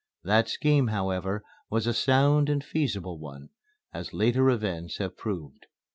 That scheme, however, was a sound and feasible one, as later events have proved.